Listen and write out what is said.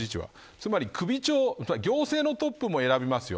つまり行政のトップも選びますよ